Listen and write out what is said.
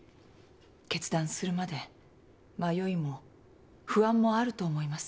決断するまで迷いも不安もあると思います。